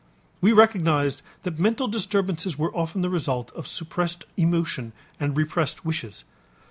We recognized that mental disturbances were often the result of suppressed emotion and repressed wishes.